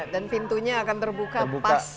dan pintunya akan terbuka pas